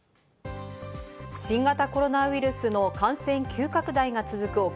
新型コロナウイルスの感染急拡大が続く